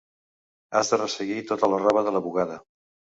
Has de resseguir tota la roba de la bugada.